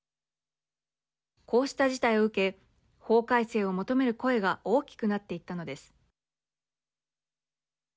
こうした事態を受け法改正を求める声が大きくなっていったのです。